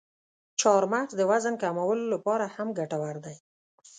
چارمغز د وزن کمولو لپاره هم ګټور دی.